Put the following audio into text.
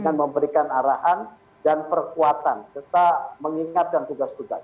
dengan memberikan arahan dan perkuatan serta mengingatkan tugas tugas